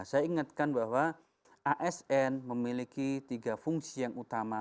saya ingatkan bahwa asn memiliki tiga fungsi yang utama